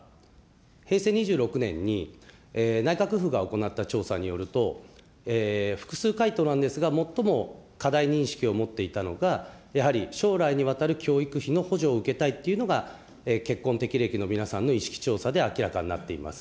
平成２６年に、内閣府が行った調査によると、複数回答なんですが、最も過大認識を持っていたのが、やはり将来にわたる教育費の補助を受けたいというのが、結婚適齢期の皆さんの意識調査で明らかになっています。